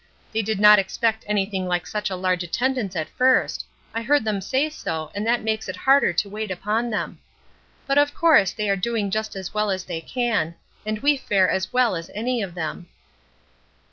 They did not expect anything like such a large attendance at first; I heard them say so and that makes it harder to wait upon them. But of course they are doing just as well as they can, and we fare as well as any of them."